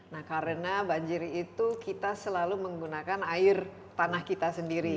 nah karena banjir itu kita selalu menggunakan air tanah kita sendiri